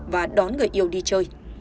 và đón người yêu đi chơi